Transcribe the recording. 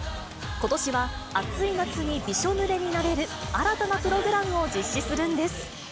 ことしは、暑い夏にびしょぬれになれる新たなプログラムを実施するんです。